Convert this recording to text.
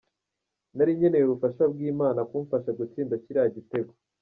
"Nari nkeneye ubufasha bw'Imana kumfasha gutsinda kiriya gitego.